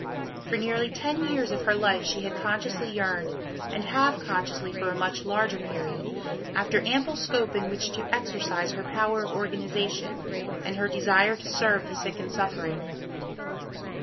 For nearly ten years of her life she had consciously yearned, and half consciously for a much larger period, after ample scope in which to exercise her power of organization, and her desire to serve the sick and suffering.